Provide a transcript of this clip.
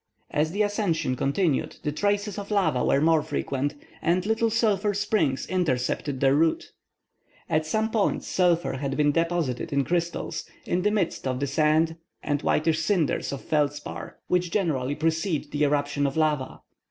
As the ascension continued, the traces of lava were more frequent, and little sulphur springs intercepted their route. At some points sulphur had been deposited in crystals, in the midst of the sand and whitish cinders of feldspar which generally precede the eruption of lava.